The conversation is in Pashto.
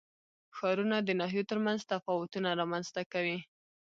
ښارونه د ناحیو ترمنځ تفاوتونه رامنځ ته کوي.